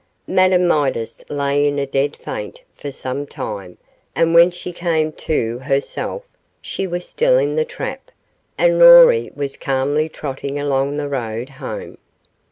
Madame Midas lay in a dead faint for some time, and when she came to herself she was still in the trap, and Rory was calmly trotting along the road home.